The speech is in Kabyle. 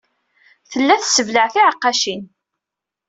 Tella tesseblaɛ tiɛeqqacin.